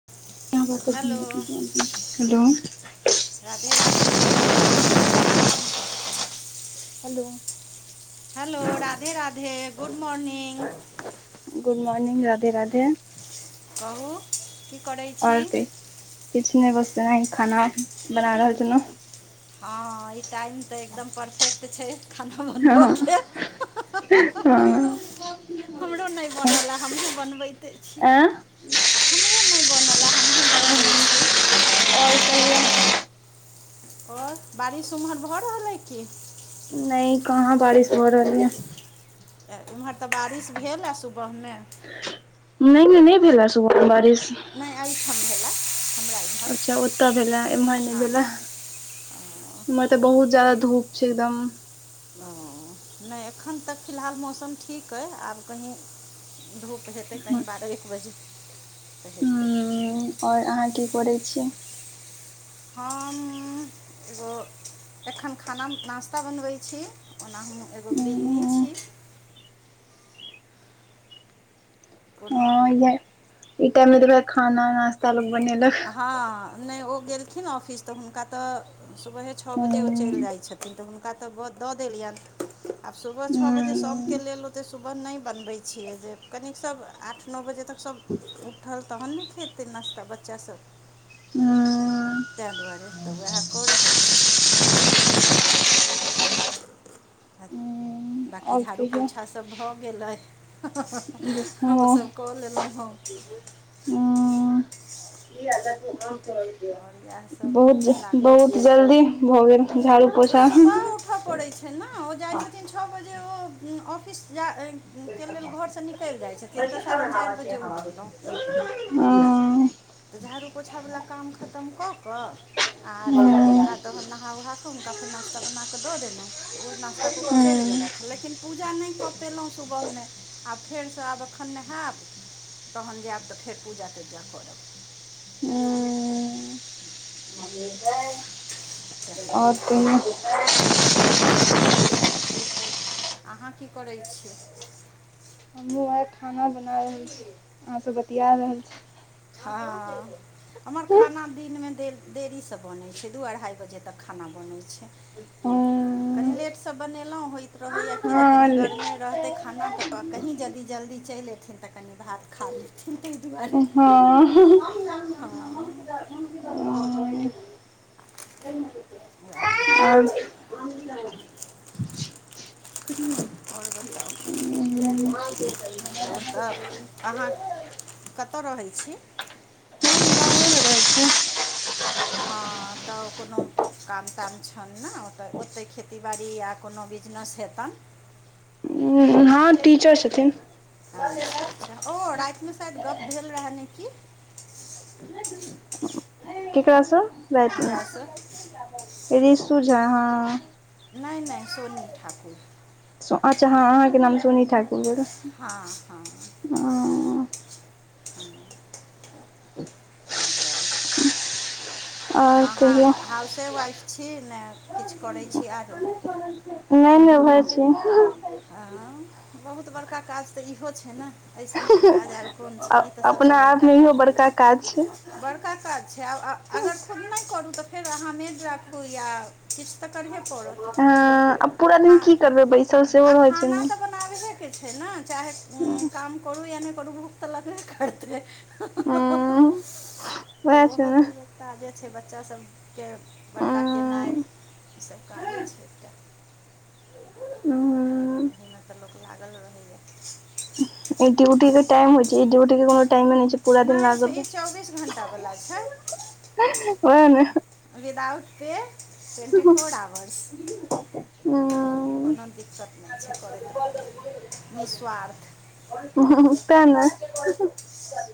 [unintelligible] Hello Radhe Radhe good morning. Hello hello Radhe Radhe good morning. Good morning Radhe Radhe. कहू। की करै छी और कही किछ नै बस एनाही खाना बना रहल छेलौं। हँ ई टाइम तऽ एकदम परफेक्ट। छै खाना हँ बनबऽ के हँ, हँ, हँ, हँ। आँ आओर हमरो नै बनलए हमहूँ बनबैते छी। हमरो नै बनलए हमहूँ बनबै छी। कहियौ और बारिश ओम्हर भऽ रहल अइ की? नैय काहाँ बारिश भऽ रहल या। इम्हर तऽ बारिश भेला सुबहमे। नहि नहि नहि भेलए सुबहमे बारिश। नहि अइ ठम भेला। अच्छा ओतऽ भेला एम्हर नहि हँ भेला। इम्हर तऽ बहुत जादा धूप छै एदम। ओ एखन तक फिलहाल मौसम ठीक अइ आब कहीँ धूप हेतै हूँ कहीँ बारह एक बजे तऽ हेतै। और अहाँ की करै छी? हम एगो एखन खाना नास्ता बनबै छी। ओना हम एगो गृहिणी छी। कोनो हँ इहा इ टाइम मे तऽ वेह खाना नास्ता लोक बनेलक। हँ नहि ओ गेलखिन ऑफिस त हुनका तऽ। सुबहे छ बजे ओ चलि जाइत छथिन तऽ हुनका तऽ दऽ देलियनि। आब सुबह छऽ बजे सब के लेल ओते सुबह नहि बनबै छियै जे कनिक सब आठ न बजे तक सब उठल तहन ने खेतै नाश्ता बच्चा सब। हुं। तैं दुआरे तऽ वहा कऽ रहल छी। आ बाँकी झाड़ू कहियौ पोछा सभ भऽ गेल अइ हँ ओसभ कऽ लेलौ हम। उम्म, की हाल चाल छौ? आओर इएह [unintelligible] बहुत ज सबमे लागल बहुत छी जल्दी भऽ गेल। झाड़ू तऽ पोछा हँ सुबह उठऽ पड़ै छै न ओ जाइ छथिन छऽ बजे ओ ऑफिस जा हुनकेलेल घरसँ निकलि जाइ छथिन तऽ साढ़े चारि बजे उठलहु। उम्म। तऽ झाड़ू पोछावला काम खतम कऽ क आर फेर हँ हुनका तहन नहा उहा कऽ हुनका फेर नाश्ता बना कऽ दऽ देलौ। ओ नास्ता कऽ क चलि गेलथि लेकिन पूजा नहि कऽ पेलहुँ सुबहमे आब फेरसँ आब एखन नहायब तहन जैब तऽ फेर पूजा तूजा करब। हुं। ह [unintelligible] और सब तऽ बढ़िआँ अइ सभ ठीक अइ। अहाँ की करैत छीयै? हमहु वेहा खाना बना रहल छी अहाँस बतिया रहल छी। हँ। हमर खाना दिनमे दे देरीसँ बनैत छै दू अढ़ाइ बजे तक खाना बनैत छै। कनि हँ लेटसँ बनेलहुँ होइत रहैया कि जे कनि हँ घरमे रहतै खाना तऽ कहीँ जदि जल्दी चलि अयथिन तऽ कनि भात खा लेथीन तैहि दुआरे। हँ। हँ। वैह बात छै। ह और बताओ? आओर त ओतऽ अहाँ कतऽ रहै छी? हां तब कोनो काम ताम छैन न ओऽ ओते खेती बाड़ी आ कोनो बिजनेस हेतैन उम्म हां। हां टीचर छथिन। अच्छा-अच्छा ओ राएत मे शायद गप्प भेल रहै नै की केकरा से राएत हमरासँ उम्म ऋषु झा हां। नै-नै सोनी ठाकुर। सो अच्छा हां अहाँके नाम सोनी ठाकुर भेल। हां-हां। हां। तै दुआरें अहाँ कहियौ हाउसे वाइफ छी नै किछ करै छी आरो नै-नै वैह छीयै। ए हां बहुत बड़का काज तै इहो छै नै? अइसन के काज आर कोन छी ई तऽ सबसे अपना बड़का आपमे इहो बड़का छै काज बड़का काज छै और अ अगर खुद नै करू तऽ फेर अहाँ मेड राखू यै किछ तऽ करहिए पड़त ए आब पूरा खा दिन की करबै बैसल सेहो रहै छै नै। के छै न चाहे उम्म काम करू या नै करू भूख तऽ लगबे करते तऽ वएह छै ओहो ने तऽ एगो काजे छै बच्चा सब के बड़का केनाय ई सब काजे छै त। एहिमे तऽ लोक लागल रहै यै। उ ड्यूटी के टाईम होय छै, ई ड्यूटी के कोनो टाईमे नै छै पूरा दिन नहि छै लागल ई चौबीस रह घण्टावला छै वैह नै without pay twenty four hours उम्म कोनो दिक्कत नै छै करैत रहू। निःस्वार्थ तै नै।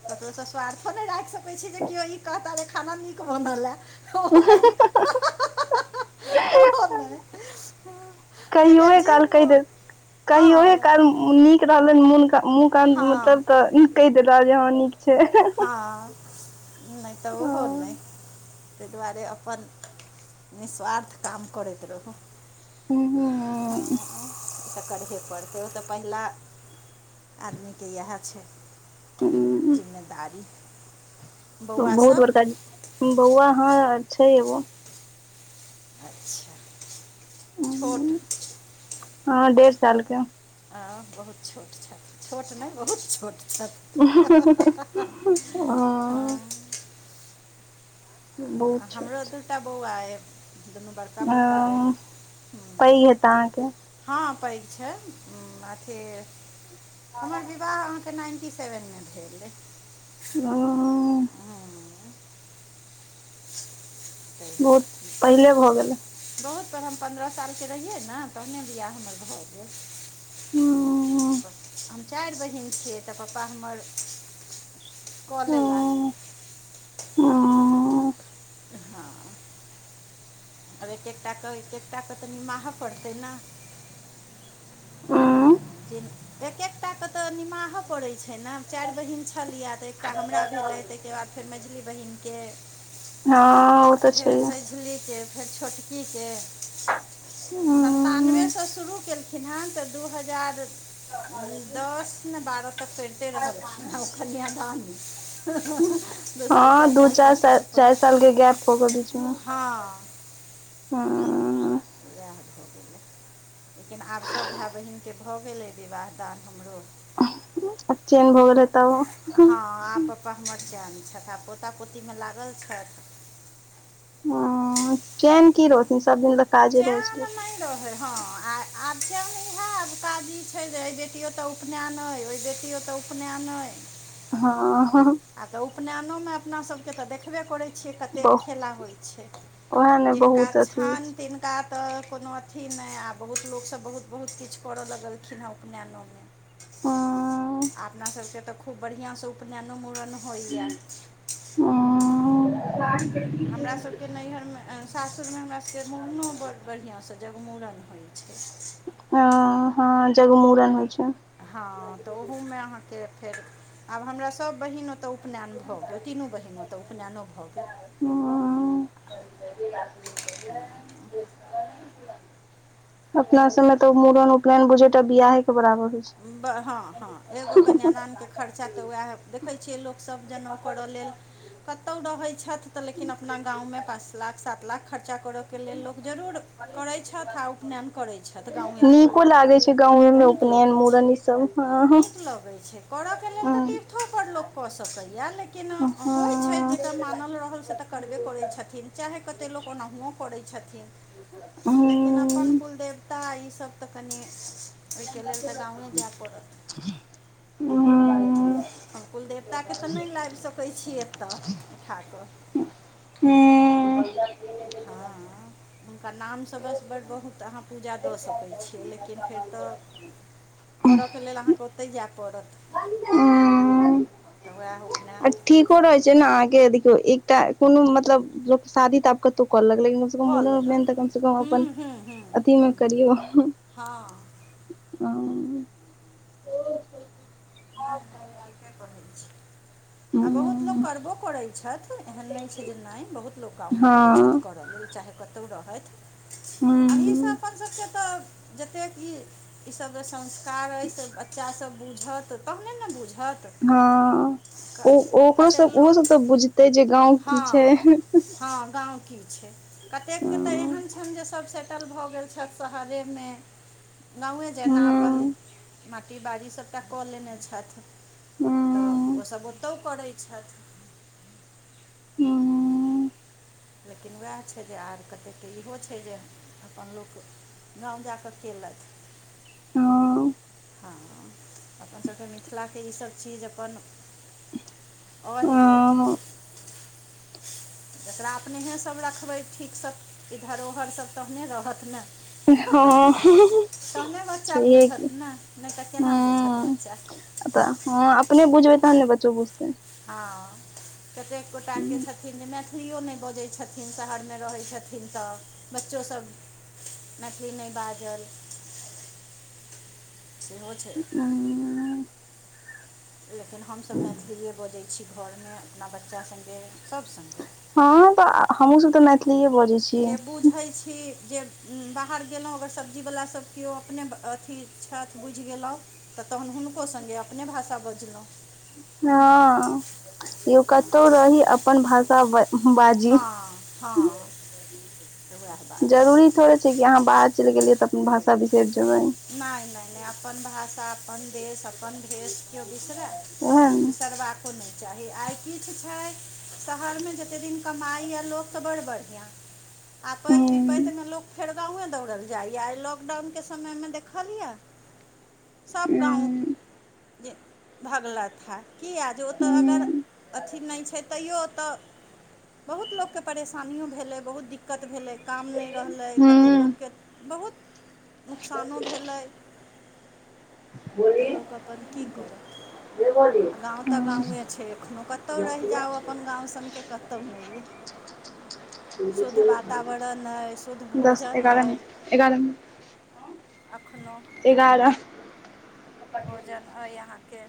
केकरो से स्वार्थो नै राएख सकै छीयै जे कियो ई कहता जेे खाना नीक बनल ऐ। ओहो नहि ह कहियो जकर जे काल कह मो देब, कहियौ हँ काल उम्म हुं नीक रहलै नै मुन के मुँह कान हँ मतलब तऽ उम्म कह देता जे हां नीक छै। हां नै तऽ ओहो नै। हूं तै दुआरे अपन निःस्वार्थ काम करैत रहू। हां तऽ करहे पड़ै सेहो तऽ पहिला आदमी के इहे छै जिम्मे दारी बहुत बड़का बौआ हां छै एगो अच्छा छोट हां डेढ़ साल के हां बहुत छोट छैथ, छोट नै बहुत छोट छैथ। हां। हँ अ बहुत हमरो छोट दूटा बौआ ऐ। दुनू बड़का-बड़का ऐ। हँ पैघ हेता अहाँके हँ पैघ छै, उम्म अथी हमर विवाह नाइन्टी सेवेनमे भेल। अं हूँ तऽ बहुत पहिले भऽ गेलै। बहुत पहिने हम पन्द्रह सालके रहियै ने तहने बियाह हमर भऽ गेल। हूं हम चारि बहिन छियै तऽ पप्पा हमर कऽ लेला। ओ आब एक एकटा क एक एकटा क तऽ निमाहय पड़तै न? उं एक एकटाके तऽ निमाहय पड़ैत छै ने चारि बहिन छलैए तऽ। एकटा हमरा भेलै ताहिके बाद फेर मझली बहिन के ओ तऽ फेर छैहे सैझली के, फेर छोटकी के सन्तानवे हूँ सँ शुरू कयेलखिन हे तऽ दू हजार दस नै बारह तक करिते रहलखिन हँ ओ कन्यादाने हँ दू चार चार चारि सालके गैप हो गेल बीच मे। हँ हां सेह भ गेलै [unintelligible] लेकिन आब सभ भाय बहिनके भऽ गेलै विवाह त हमरो आब चैन भ गेल हैत। हँ आब पपा हमर चैन छैथ, आब पोता पोती मे लागल छथि। ह चेन की रहथिन सबदिन त चेन नहि रहैै हँ, आ आब चेन इएह आब काज इ छै जे बेटियो तऽ उपनयन ऐ ओहि बेटी ओतऽ उपनयन ऐ। हाँ आब त उपनयनो में त अपना सब के तऽ देखबे करै छी कते बहु खेला होइ छै, ओएह ने जिनका बहुत अथी होइ छान छै तिनका तऽ कोनो अथी नहि आ बहुत लोक सभ बहुत बहुत किछ करऽ लगलखिन हे उपनयनो मे। हाँ अपना सभके तऽ खूब बढ़िआँ सँ उपनयनो मूड़न होइए। अं हमरा सब के नैहर मे, सासुर में हमरा सब के मुड़नो बड़ बढ़िया से जगमूड़न होइ छै। हॅं हँ जग मुड़न होइ छै। हँ तऽ ओहोमे अहाँके फेर आब हमरा सभ बहिन ओतय उपनयन भऽ गेल, तीनू बहीन ओतय उपनयनो भऽ गेल। अं अपना सब मे तऽ ओ मूड़न उपनयन बुझे टा बियाहे के बराबर होइ छै। हँ हँ एगो कन्यादानके खर्चा तऽ उएह देखै छियै लोक सब जनऊ करा लेल कतो रहे छैथ, त लेकिन अपना गाम में पांच लाख सात लाख खर्चा करयके लेल लोक जरूर करैत छैथ आ उपनयन करैत छैथ गाँवे पर। गाँवमे उपनयन मुड़न इ सब हँ नीक लगै छै, करयके लेल तऽ हँ तीर्थोपर लोक कऽ सकैएा लेकिन हँ अं होइत छै हँ जेकऽ मानल रहल से तऽ करबे करै छथिन चाहे कतेक लोक ओनाहुओ करै छथिन। लेकिन अपन कुलदेवता ई सब तऽ कनि, ओहिके लेल तऽ गाँवे जाय पड़त। हम कुलदेवताके तऽ नहि लाबि सकै छी एतय, उठा कऽ। हूं। हँ। हुनकर नामसँ बस बड़ बहुत अहाँ पूजा दऽ सकै छियै, लेकिन फेर तऽ करके लेल अहाँकेँ ओतहि जाय पड़त। तऽ उहे उपनयन ठीको सब रहे छै ने अहाँके, देखियौ एकटा कोनो मतलब शादी तब कतौ कर लेलक। कऽ मुड़न, लेलक उपनयन, तऽ कम से कम अपन हूँ हूँ हूँ अथी मे हूँ करियौ। हँ हू। नहि -नहि ठीके कहै छी। आ बहुत लोक करबो करै छैथ, एहन नहि छै जे नहि, बहुत लोक गाममे अबैत छैथ, हँ करय लेल चाहे कतहु रहैथ, अही अपन सभके तऽ। जतेक ई, ई सब जे संस्कार अइ से बच्चा सब बुझत, तबने ने बुझत। हँ, क ओ कते ओकरोसभ लोक ओहोसभ तऽ बुझतै जे गाँव की हँ छै। हँ, गाँव की छै। कतेक केँ तऽ हँ एहन छैन जे, सभ सेटल भऽ गेल छथि शहरेमे। गाँवे जेना अपन माटी- बारी सभटा कऽ लेने छथि। तऽ ओसभ ओतह करैत छैथ। हूँ। लेकिन उएह छै जे आर, कतेकके इहो छै जे अपन लोक गाँव जा क केलैथ। हँ, अपन सभके मिथिलाके इसभ चीज अपन अही जे जकरा अपनेहे सभ रखबै ठीकसँ, इ धरोहर सभ तहने रहत ने। हँ। तहने बच्चा बुझत ने, नै तऽ केना बुझत हँ बच्चा। तऽ हँ, अपने बुझबै, तहने बच्चो बुझतै। हँ, कतेक गोटाके हँ छथिन न। मैथिलीओ नहि बजै छथिन, शहरमे रहै छथिन तऽ, बच्चोसभ मैथिली नैह बाजल। सेहो छै। लेकिन हमसब मैथिलिए बजै छी घरमे, अपना बच्चा संग, सभ संगे। हँ, तऽ हमहू सब तऽ मैथिलीए बजै छी। जे बुझै छी, जे बाहर गेलहुँ, अगर सब्जीवला सभ केओ अपने अथी छैथ, बुझि गेलहुँ। तऽ तखन हुनको संगे अपने भाषा बजलहुँ। हँ, यौ कतहु रही अपन भाषा ब हँ -हँ, उएह बात अइ जरूरी थोड़े छै कि, अहाँ बाहर चलि गेलियै तऽ, अपन भाषा बिसरि जेबै। नहि- नहि -नहि अपन भाषा, अपन देश, अपन भेष। किओ बिसरए, ओएह ने बिसरबाको नहि चाही, आइ किछ छै। शहरमे जतेक दिन कमाइ यए लोक तऽ बड़ बढ़िआँ। आपैत विपैत हूँ में लोक फेर गांवे दौड़ल जाययैऽ आय लॉकडाउन के समय मे देखलियै सब गाँव- जे भगलैथहे। कियैऽ जे ओत अगर हूँ अथि नय छै तैओ ओतऽ बहुत लोक के परेशानियो भेले, बहुत दिक्क- दिक्कत भेलै, काम नय रहलै कते हूँ लोकके बहुत कानो भेलै तऽ लोक अप्पन की करत। आ गाँव तऽ हूँ गाँवे छै एखनो कतहु रैह जाउ अपन गाँव सनके कतहु नय अइ। शुद्ध वातावरण अइ शुद्ध [unintelligible] दस भोजन अइ एगारह- एगारम- [unintelligible] अखनो। [unintelligible] एगारह। भोजन अइ अहाँके,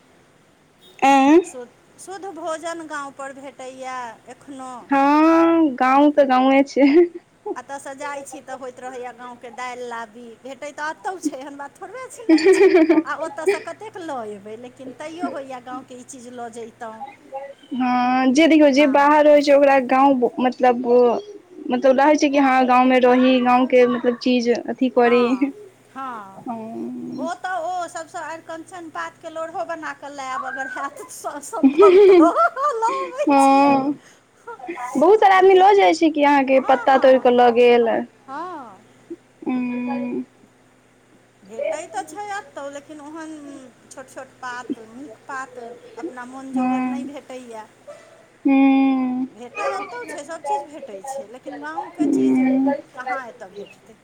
ऐं शुद्- शुद्ध भोजन गाँवपर भेटैयैऽ एखनो। हँ गाँव तऽ गाँवे छै। अतऽ से जाइ छी तऽ होइत रहैया गाँव के दाइल लाबी। भेटैत त एतौ छै, एहन बात थोड़बे छै नय छै आ ओत तऽसँ कतेक लऽ एबै लेकिन तैयो होइए गाँवके ई चीज लऽ जैतहुँ। हँ, जे देखियौ जे बाहर रहइ छै ओकरा गाँव के मतलबब- मतलब रहै छै कि हँ गाँंवमे रही गाँवके मतलब चीज। अथी करी, हँ हँ हं- ओ तऽ ओ सबसऽ अरिकंचन पात के लोड़हो बनाक लैब अगर हैत। स-सम्भव तऽ लऽबय छियै। हँ [unintelligible] बहुत सारा आदमी जतेक लऽ जाइ छै कि अहाँके हँ पत्ता हँ तोइड़ कऽ लऽ गेल। हँ। उम- भेटै तऽ छै अतौ लेकिन ओहन--छोट-छोट पात नीक पात अपना मोन जोगर हँ नय भेटैयैऽ। हूँ। भेटै एतहु छै, सभचीज भेटै छै लेकिन गाँवके चीज हूँ कहाँ एतऽ भेटतै।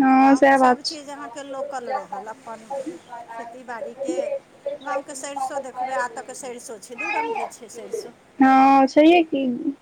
हँ। गाँवमे सएह बात छै सभचीज अहाँके लोकल रहल, अपन खेती बाड़ीके। गाँवके सरिसो देखबै आ एतऽके सरिसो छै, दू रंगके छै सरिसो। हँ छैहे कि।